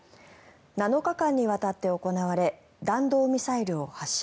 ７日間にわたって行われ弾道ミサイルを発射。